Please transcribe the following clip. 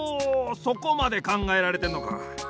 そこまでかんがえられてんのか。